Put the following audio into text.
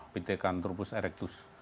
pitekan turpus erectus